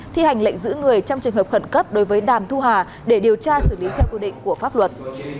thi hành lệnh giữ người trong trường hợp khẩn cấp đối với đàm thu hà để điều tra xử lý theo quy định của pháp luật